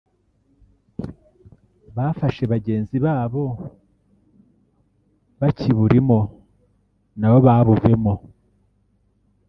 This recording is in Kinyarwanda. bafashe bagenzi babo bakiburimo na bo babuvemo